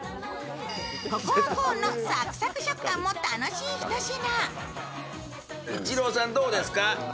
ココアコーンのサクサク食感も楽しい一品。